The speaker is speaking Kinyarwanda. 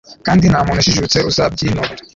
kandi nta muntu ujijutse uzabyinubira